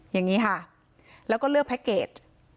อย่างนี้ค่ะแล้วก็เลือกแพ็คเกจ